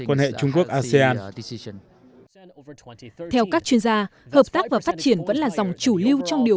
quan hệ trung quốc asean theo các chuyên gia hợp tác và phát triển vẫn là dòng chủ lưu trong điều